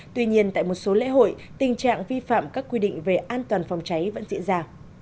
tuy nhiên tại một số lễ hội tình trạng vi phạm các quy định về an toàn phòng cháy vẫn diễn ra